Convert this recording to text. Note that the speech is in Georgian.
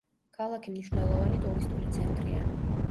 ქალაქი მნიშვნელოვანი ტურისტული ცენტრია.